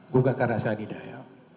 gue gak akan rasa tidak ya